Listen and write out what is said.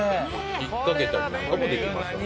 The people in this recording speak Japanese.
引っかけたりなんかもできますので。